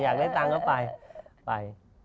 อยากได้ตังค์ก็ไปไป